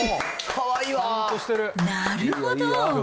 なるほど。